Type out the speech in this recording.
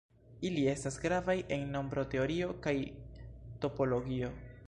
Ili estas gravaj en nombroteorio kaj topologio.